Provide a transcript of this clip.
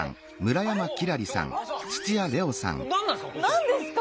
何ですか？